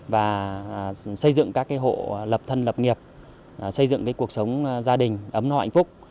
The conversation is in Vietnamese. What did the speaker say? và xây dựng các cái hộ lập thân lập nghiệp xây dựng cái cuộc sống gia đình ấm nọ hạnh phúc